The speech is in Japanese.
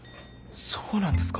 そうなんですか？